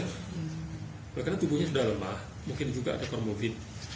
karena tubuhnya sudah lemah mungkin juga ada komorbid